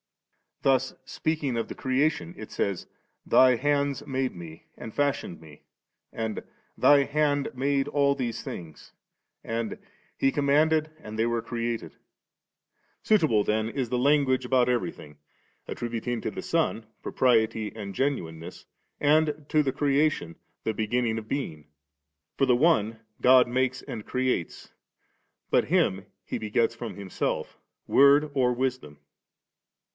Thus speaking of the creation it says, 'Thy hands made me and fashioned me,' and, 'Thy hand made all these things,' and, 'He commanded and they were created 3.' Suitable then is its language about everything; attributing to the Son * propriety ' and * genuineness,' and to the creation ' the beginning of being.' For the one God makes and creates; but Him He begets from Himself, Word or Wisdom.